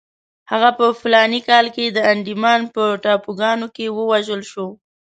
هغه په فلاني کال کې د انډیمان په ټاپوګانو کې ووژل شو.